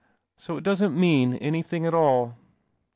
" So it doesn't mean anything at all